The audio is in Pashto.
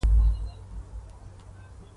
چې دا د شپې درباندې څه کېږي.